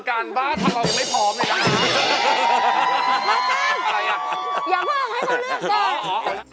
ทำอย่างไรพร้อม